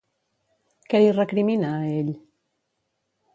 Què li recrimina a ell?